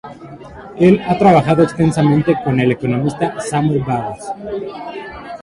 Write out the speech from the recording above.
Él ha trabajado extensamente con el economista Samuel Bowles.